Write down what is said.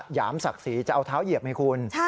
หยามศักดิ์ศรีจะเอาเท้าเหยียบไงคุณ